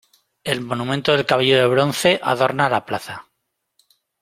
El monumento del Caballero de Bronce adorna la plaza.